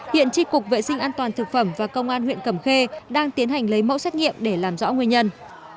hiện tri cục vệ sinh an toàn thực phẩm và công an huyện cẩm khê đang tiến hành lấy mẫu xét nghiệm để làm rõ nguyên nhân